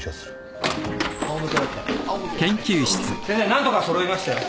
何とかそろいましたよ。